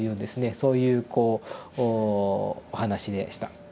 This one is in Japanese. そういうこうお話でした。